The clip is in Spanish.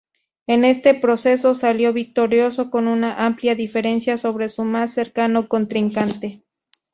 En este proceso salió victorioso con una amplia diferencia sobre su más cercano contrincante.